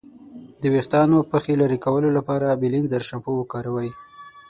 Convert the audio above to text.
د ویښتانو پخې لرې کولو لپاره بیلینزر شامپو وکاروئ.